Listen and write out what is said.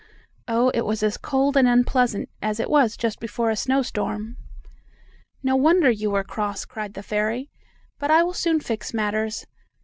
Oh, it was as cold and unpleasant as it is just before a snowstorm. "No wonder you were cross!" cried the fairy. "But I will soon fix matters!